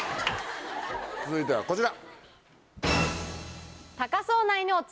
続いてはこちら。